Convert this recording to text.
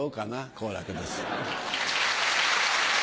好楽です。